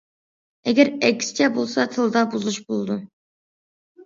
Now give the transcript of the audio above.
ئەگەر، ئەكسىچە بولسا تىلدا بۇزۇلۇش بولىدۇ.